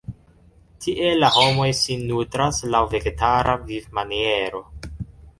Tie la homoj sin nutras laŭ vegetara vivmaniero.